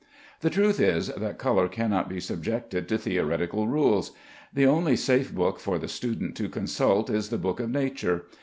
The truth is that color cannot be subjected to theoretical rules. The only safe book for the student to consult is the Book of Nature.